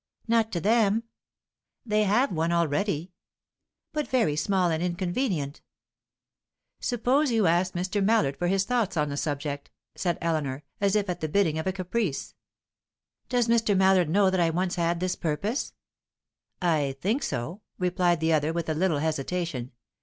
"Not to them." "They have one already." "But very small and inconvenient." "Suppose you ask Mr. Mallard for his thoughts on the subject?" said Eleanor, as if at the bidding of a caprice. "Does Mr. Mallard know that I once had this purpose?" "I think so," replied the other, with a little hesitation.